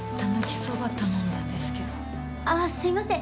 ああすいません。